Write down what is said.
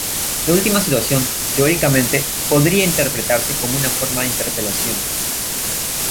La última situación, teóricamente, podría interpretarse como una forma de interpelación.